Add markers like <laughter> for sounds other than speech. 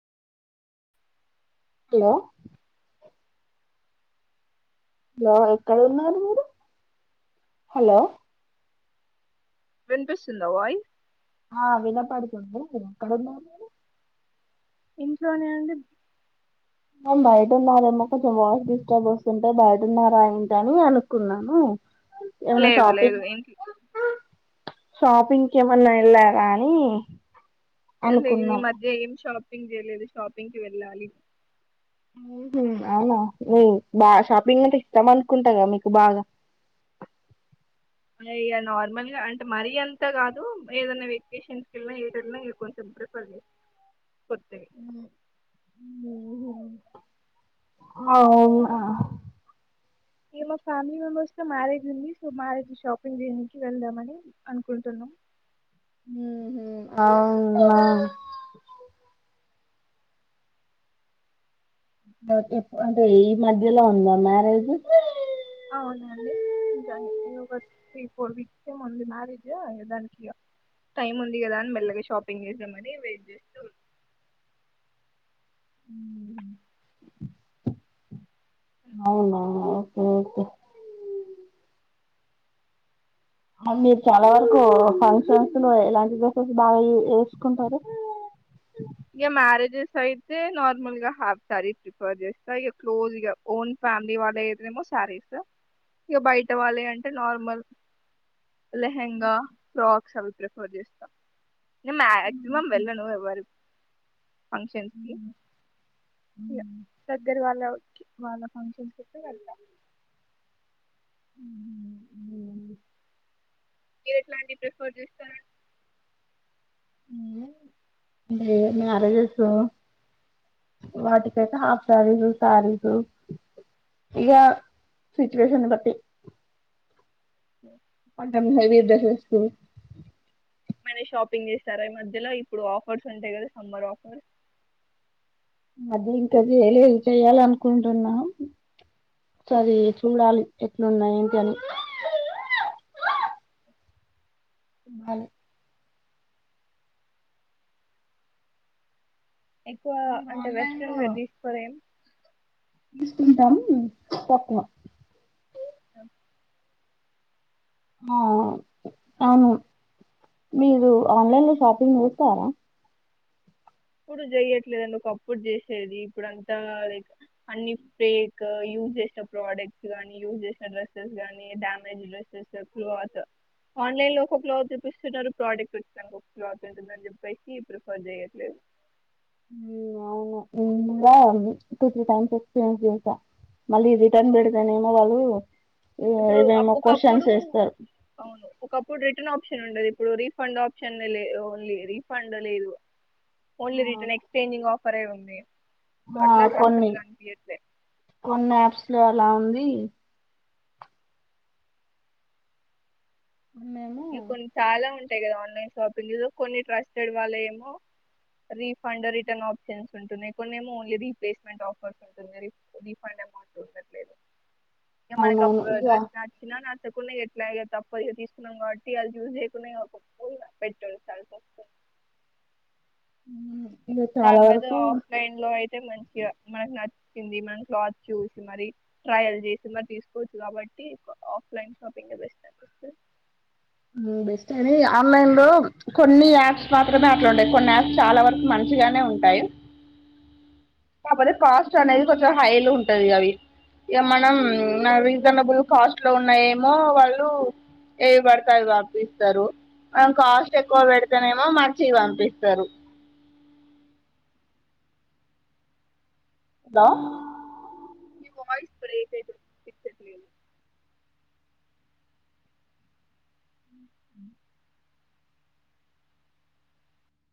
hello hello ఎక్కడ ఉన్నారు మీరు హలో వెనిపిస్తుందా వ్వాయ్ ఆ వినపడుతుంది ఎక్కడన్నారు మీరు ఇంట్లోనే అండి మ బయట ఉన్నారేమో కొంచెం వాయిస్ డిస్టర్బ్ వస్తుంటే బయటన్నారా ఏంటి అని అనుకున్నాను ఏమైనా లేదు షాపింగ్ లేదు ఏంటి షాపింగ్ కి ఏమన్నా వెళ్ళారాని లేదు ఈ మధ్య ఏం షాపింగ్ చేయలేదు షాపింగ్కి వెళ్ళాలి మ్ హు అవునా బాగా షాపింగ్ అంటే ఇస్తాం అనుకుంటా గదా మీకు బాగా <inaudible> అ ఇగా నార్మల్గా అంటే మరీ అంతా గాదు ఏదనా వెేకేషన్స్ కెళ్లిన ఏ కొంచెం రిఫర్ <inaudible> కొత్తయి ఉహు అ ఓ అ ఇగా మా ఫ్యామిలీ మెంబర్స్ లో మ్యారేజ్ ఉంది సో మ్యారేజ్ షాపింగ్ చేయనికి వెళ్దామని అనుకుంటున్నామ్ ఉహు అవునా అంటే ఈ మధ్యలో ఉందా మ్యారేజ్ అవునండి నిజం ఇగో త్రీ ఫోర్ వీక్స్ ఎముంది మ్యారేజ్ దానికి టైమ్ ఉంది గదా అని మెల్లగా షాపింగ్ చేసామని వెయిట్ చేస్తూ <inaudible> <inaudible> అవునా ఓకే ఓకే మీరు చాలా వరకు ఫంక్షన్స్ లో ఎలాంటి డ్రెస్సెస్ బాగాయ ఎసుకుంటారు ఇగా మ్యారేజెస్ అయితే నార్మల్ గా హాఫ్ శారీస్ ప్రిఫర్ చేస్తా ఇక క్లోజ్ ఇ ఓన్ ఫ్యామిలీ వాళ్ళే అయితే నేమో శారీస్ ఇక బయట వాళ్ళే అంటే నార్మల్ లెహెంగా ఫ్రాక్స్ అవి ప్రిఫర్ చేస్తాం నే మాక్సిమం వెళ్ళను ఎవరి ఫంక్షన్స్ కి ఇగా దగ్గర వాళ్ళకి వాళ్ళ ఫంక్షన్స్ అయితే వెళ్ళ్తా ఎట్లాంటి ప్రిఫర్ చేస్తార అంటే <unintelligible> వాటికైతే హాఫ్ సారీస్ సారీస్ ఇకా సిచువేషన్ బట్టి అ అంటే లైట్ డ్రెస్ వేసుకొని మన షాపింగ్ చేస్తారా ఈ మధ్యలో ఇప్పుడు ఆఫర్స్ ఉంటాయి కదా సమ్మర్ ఆఫర్స్ అది ఇంకా చేయలేదు చెయాల అనుకుంటున్నా సరే చూడాలి ఎట్లు ఎట్ల ఉనందో కానీ ఉమ్మల్ ఎక్కువ అంటే వెస్ట్రన్ తీసుకోలేగాని ఈస్ట్ వీ గాని పట్నును అ ఆ అవును మీరు ఆన్లైన్ లో షాపింగ్ చేస్తారా ఇప్పుడు చెయట్లేదుండి ఒక అప్పుడు చేసేది ఇప్పుడు అంతా లైక్ అన్ని ఫేక్ యూజ్ చేసిన ప్రోడక్ట్స్ గానీ యూజ్ చేసిన డ్రెస్సెస్ నీ డ్యామేజ్ డ్రెస్సెస్ క్లాత్ ఆన్లైన్ లో ఒక క్లాత్ చూపిస్తున్నారు ప్రోడక్ట్ వా క్లాత్ ఉంటుందని చెప్పేసి ప్రిఫర్ చేయట్లేదు ఇంకా టు త్రి టైమ్స్ ఎక్స్చేంజి చేశాను మళ్ళీ రిటర్న్ బడతనే మల్ ఇప్పుడు అ ఒకప్పుడు అవును ఒకప్పుడు రిటర్న్ ఆప్షన్ ఉండది ఇప్పుడు రీఫండ్ ఆప్షన్ లే ఓన్లీ రిఫండ్ లేదు ఓన్లీ రిటర్న్ ఎక్స్చేంజింగ్ ఆప్న్ పరెవుంది ఆ కొన్ని కొన్ని యాప్స్ లో అలా ఉంది కొన్నేమో ఇ కొన్ని చాలా ఉంటాయి కదా ఆన్లైన్ షాపింగ్ ఏదో కొన్ని ట్రస్టెడ్ వాళ్ళ ఏమో రీఫండ్ రిటర్న్ ఆప్షన్స్ ఉంటుయి కొ ఏమో ఓన్లీ రీప్లేస్మెంట్ ఆఫర్స్ ఉంటుంది రీఫండ్ అమౌంట్ ఉండట్లేదు ఇక మనకి అవునవును ఇగ డ్రెస్ నచ్చినా నా తకుడా ఎట్లా తప్పు ఇ తీసుకున్నాం కాబట్టి త జూకు పో ప పెట్రోల్ చల్ ఉ దాని బదులు ఆఫ్లైన్ లో అయితే మంచిగా మనకు నచ్చ మనం క్లాత్ చూసి మరి ట్రయల్ చేసి మరి తీసుకోవచ్చు కాబట్టి ఆఫ్లైన్ షాపి బెస్ట్ అ ఆన్లైన్ లో కొన్ని యాప్స్ మాత్రమే అట్లుండాయి కొన్ని యాప్స్ చాలా వరకు మంచి మంచిగానే ఉంటాయి కాకపోతే కాస్ట్ అనేది కొంచెం హై లో ఉంటది అవి ఇ మనం రీజనబుల్ కాస్ట్ లో ఉన్నా ఏమో వాళ్ళు ఏడు పంపిస్తారు మనం కాస్ట్ ఎక్కువ పెడితేనేమో మంచి పంపిస్తారు హలో మీ వయిస్ బ్రేక్ అవుతుందిండి వినిపించట్లేదు